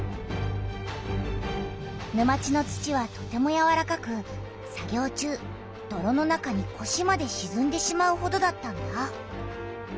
沼地の土はとてもやわらかく作業中どろの中にこしまでしずんでしまうほどだったんだ。